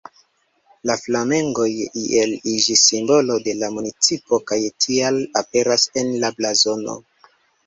La flamengoj iel iĝis simbolo de la municipo kaj tial aperas en la blazono.